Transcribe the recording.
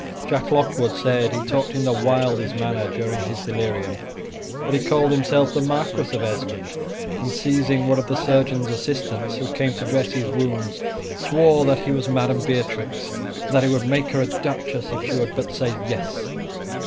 Jack Lockwood said he talked in the wildest manner during his delirium; that he called himself the Marquis of Esmond, and seizing one of the surgeon's assistants who came to dress his wounds, swore that he was Madam Beatrix, and that he would make her a duchess if she would but say yes.